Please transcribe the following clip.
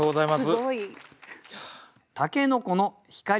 すごい！